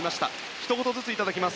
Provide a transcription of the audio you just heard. ひと言ずついただきます。